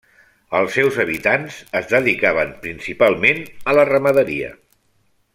Els seus habitants es dedicaven, principalment, a la ramaderia.